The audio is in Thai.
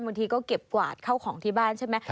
บางทีก็เก็บกวาดเข้าของที่บ้านใช่ไหม